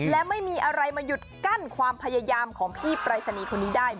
และไม่มีอะไรมาหยุดกั้นความพยายามของพี่ปรายศนีย์คนนี้ได้